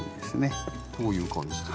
こういう感じで。